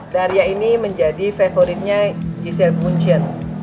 daria ini menjadi favoritnya giselle bundchen